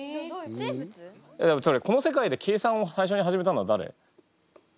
この世界で計算を最初に始めたのはだれ？